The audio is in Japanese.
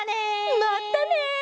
まったね！